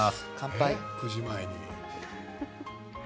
９時前に。